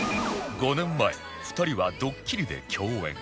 ５年前２人はドッキリで共演